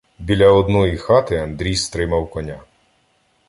Біля одної хати Андрій стримав коня.